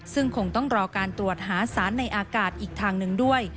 ซึ่งคงต้องรอการตรวจหาสารในอากาศอีกทางหนึ่งด้วย